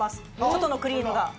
外のクリームが。